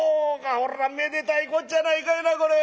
そらめでたいこっちゃやないかいなこれ。